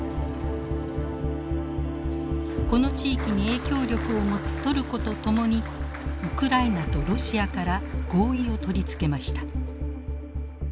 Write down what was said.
この地域に影響力を持つトルコと共にウクライナとロシアから合意を取り付けました。